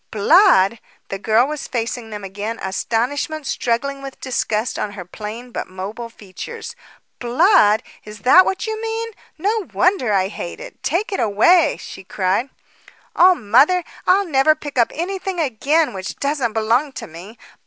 "Blood!" The girl was facing them again, astonishment struggling with disgust on her plain but mobile features. "Blood! is that what you mean. No wonder I hate it. Take it away," she cried. "Oh, mother, I'll never pick up anything again which doesn't belong to me!